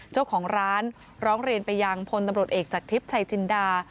เจ้าของร้านร้องเรียนไปยังพลตำรวจเอกจากทิพย์ชัยจินดา